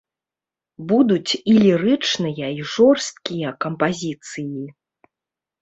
Будуць і лірычныя, і жорсткія кампазіцыі.